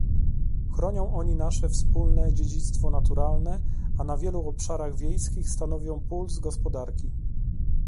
chronią oni nasze wspólne dziedzictwo naturalne, a na wielu obszarach wiejskich stanowią puls gospodarki